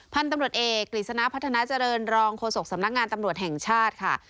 พันธุ์ตำรวจเอกกฤษณะพัฒนาเจริญรองโฆษกสำนักงานตำรวจแห่งชาติค่ะ